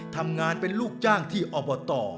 ทำงานเป็นลูกจ้างที่อบต